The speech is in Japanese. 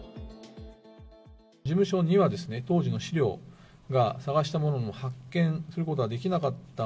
事務所にはですね、当時の資料が、捜したものの発見することはできなかった。